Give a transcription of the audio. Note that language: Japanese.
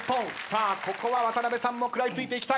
さあここは渡辺さんも食らいついていきたい。